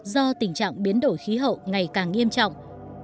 do tình trạng biến đổi khí hậu ngày càng nghiêm trọng